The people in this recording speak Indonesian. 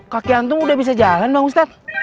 kaki antung udah bisa jalan bang ustadz